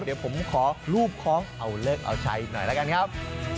เดี๋ยวผมขอรูปคล้องเอาเลิกเอาชัยอีกหน่อยแล้วกันครับ